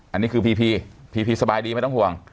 อันนี้คือพีพีพีพีสบายดีไม่ต้องห่วง